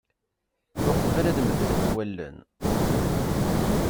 Uqbel ad medlent walen.